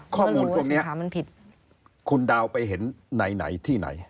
ข้อมูลพวกนี้คุณดาวไปเห็นไหนที่ไหน